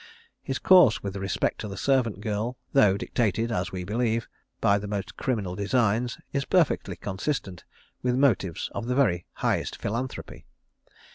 His course with respect to the servant girl, though dictated, as we believe, by the most criminal designs, is perfectly consistent with motives of the very highest philanthropy.